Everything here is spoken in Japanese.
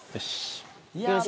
よし。